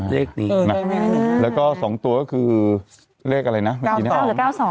เลขนี้เออแล้วก็สองตัวก็คือเลขอะไรนะเก้าสองเก้าสอง